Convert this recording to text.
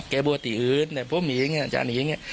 แกบัวติอืดแต่พวกมีอย่างนี้อาจารย์อย่างนี้